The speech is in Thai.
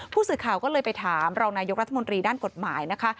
ผู้สื่อข่าวก็เลยไปถามรองนายกรัฐมนตรีด้านกฎหมายนะคะ